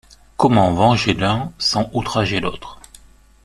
Comment venger l’un sans outrager l’autre?